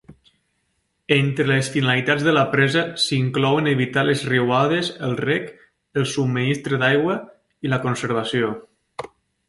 Entre las finalitats de la presa s"inclouen evitar les riuades, el rec, el subministre d"aigua i la conservació.